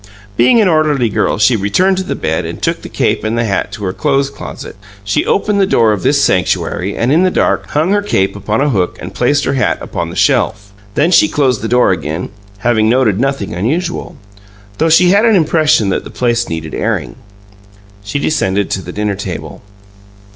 Being an orderly girl, she returned to the bed and took the cape and the hat to her clothes closet. She opened the door of this sanctuary, and, in the dark, hung her cape upon a hook and placed her hat upon the shelf. Then she closed the door again, having noted nothing unusual, though she had an impression that the place needed airing. She descended to the dinner table.